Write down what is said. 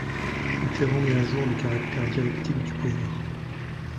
Mitterrand met au jour le caractère dialectique du pouvoir.